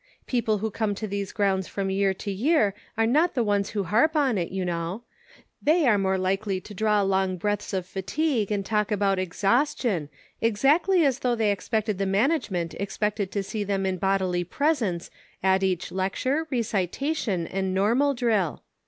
The people who come to these grounds from year to year, are not the ones who harp on it, you know ; they are more likely to draw long breaths of fatigue and talk about ' exhaustion ;' exactly as though they supposed the management expected 258 "IN HIS NAME." to see them in bodily presence at each lecture, rec itation, and Normal drill.